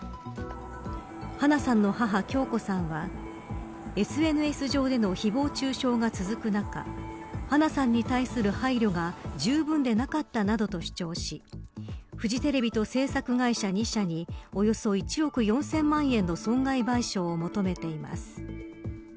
花さんの母、響子さんはＳＮＳ上での誹謗中傷が続く中花さんに対する配慮がじゅうぶんでなかったなどと主張しフジテレビと制作会社２社におよそ１億４０００万円の損害賠償を求めています。